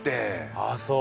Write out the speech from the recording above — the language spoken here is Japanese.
あっそう。